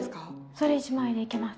それ１枚でいけます。